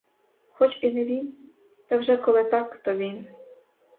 Хоч і не він, — та вже коли так, то він!